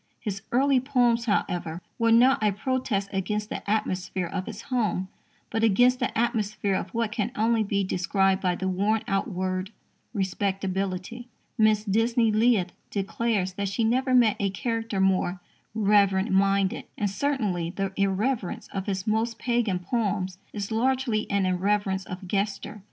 His early poems, however, were not a protest against the atmosphere of his home, but against the atmosphere of what can only be described by the worn out word "respectability." Mrs. Disney Leith declares that she never met a character more "reverent minded." And, certainly, the irreverence of his most pagan poems is largely an irreverence of gesture.